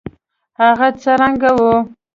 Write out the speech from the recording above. هغه څه رنګه وه.